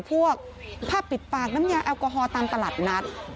พวกผ้าปิดปากน้ำยาแอลกอฮอลตามตลาดนัด